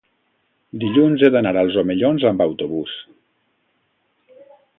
dilluns he d'anar als Omellons amb autobús.